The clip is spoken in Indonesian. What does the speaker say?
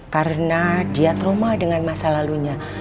karena dia trauma dengan masa lalunya